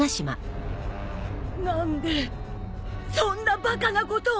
何でそんなバカなことを！